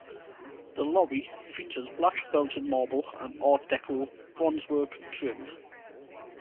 The lobby features black Belgian Marble and Art Deco bronzework trim.